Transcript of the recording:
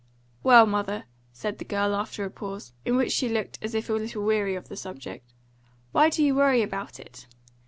"Well, mother," said the girl after a pause, in which she looked as if a little weary of the subject, "why do you worry about it?